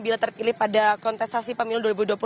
bila terpilih pada konteksasi pemilu dua ribu dua puluh